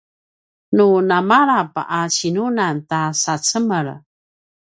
nu namalap a cinunan ta sacemel